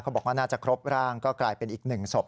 บอกว่าน่าจะครบร่างก็กลายเป็นอีก๑ศพ